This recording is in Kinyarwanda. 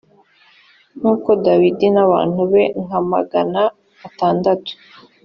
nuko dawidi n abantu be nka magana atandatu